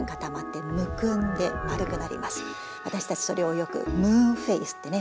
わたしたちそれをよくムーンフェイスってね